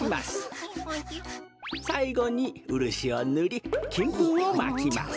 さいごにウルシをぬりきんぷんをまきます。